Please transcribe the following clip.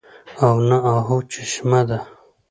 او نه اۤهو چشمه ده